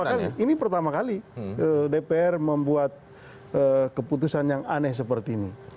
pertama kali ini pertama kali dpr membuat keputusan yang aneh seperti ini